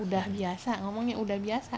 udah biasa ngomongnya udah biasa